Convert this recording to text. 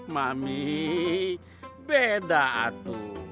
mami beda atu